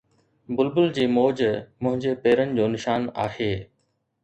بلبل جي موج منهنجي پيرن جو نشان آهي